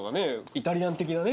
イタリアン的なね。